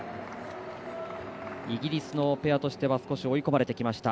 イギリスのペアとしては少し追い込まれてきました。